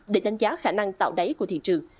để đánh giá khả năng tạo đáy của thị trường